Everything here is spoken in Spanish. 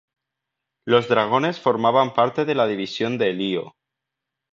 Los dragones formaban parte de la División de Elío.